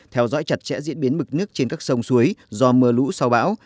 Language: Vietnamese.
theo dõi chặt chẽ diễn biến mực nước trên các sông suối do mưa lũ sau bão